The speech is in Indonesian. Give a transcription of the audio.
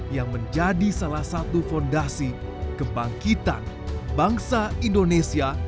yang menjadi salah satu fondasi kebangkitan bangsa indonesia